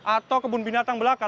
atau kebun binatang belaka